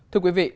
thưa quý vị